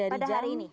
pada hari ini